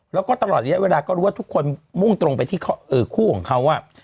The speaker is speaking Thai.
แล้วก็ตลอดระยะเวลาก็รู้ว่าทุกคนมุ่งตรงไปที่คู่ของเขา